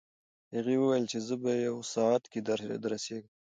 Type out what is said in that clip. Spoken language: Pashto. هغه وویل چې زه په یو ساعت کې دررسېږم.